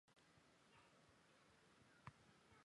叉唇对叶兰为兰科对叶兰属下的一个种。